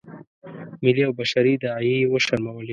ملي او بشري داعیې یې وشرمولې.